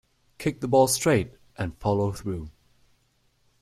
Kick the ball straight and follow through.